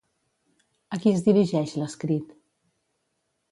A qui es dirigeix l'escrit?